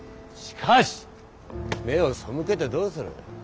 しかし目を背けてどうする！